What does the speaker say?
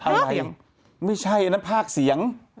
อะไรไม่ใช่อันนั้นภาคเสียง